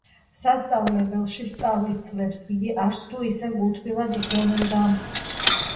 სასწავლებელში სწავლის წლებს იგი არც თუ ისე გულთბილად იგონებდა.